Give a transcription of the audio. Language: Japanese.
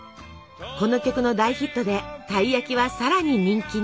この曲の大ヒットでたい焼きはさらに人気に。